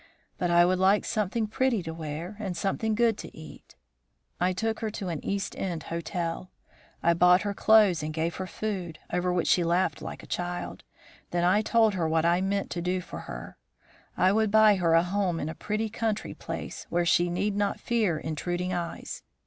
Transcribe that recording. But I would like something pretty to wear and something good to eat.' "I took her to an East Side hotel. I bought her clothes and gave her food, over which she laughed like a child. Then I told her what I meant to do for her. I would buy her a home in a pretty country place, where she need not fear intruding eyes.